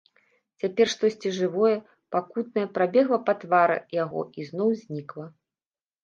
Цяпер штосьці жывое, пакутнае прабегла па твары яго і зноў знікла.